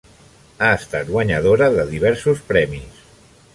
Ha estat guanyadora de diversos premis.